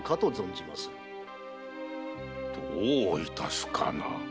どういたすかな。